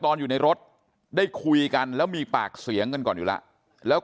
อยู่ในรถได้คุยกันแล้วมีปากเสียงกันก่อนอยู่แล้วแล้ว